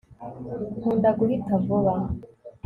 nkunda guhita vuba